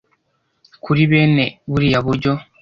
” kuri bene buriya buryo.